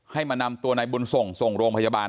มานำตัวนายบุญส่งส่งโรงพยาบาล